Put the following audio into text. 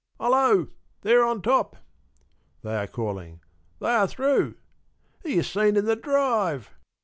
"Hello! there on top!" they are calling. "They are through! He is seen in the drive!"